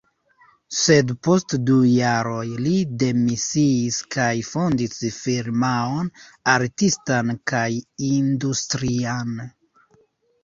Sed post du jaroj li demisiis kaj fondis firmaon artistan kaj industrian.